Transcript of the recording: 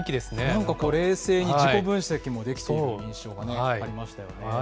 なんか冷静に自己分析もできている印象がありましたよね。